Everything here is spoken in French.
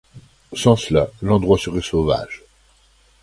Sans cela l’endroit serait sauvage.